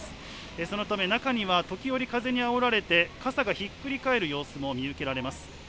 そのため中には時折、風にあおられて傘がひっくり返る様子も見受けられます。